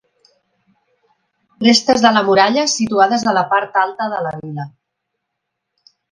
Restes de la muralla situades a la part alta de la vila.